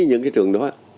những cái trường đó